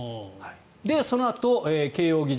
そのあと慶應義塾